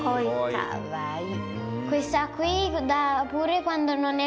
かわいい。